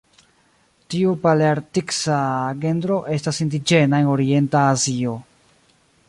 Tiu palearktisa genro estas indiĝena en orienta Azio.